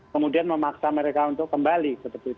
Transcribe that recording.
kemudian memaksa mereka untuk kembali